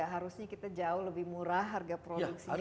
harusnya kita jauh lebih murah harga produksinya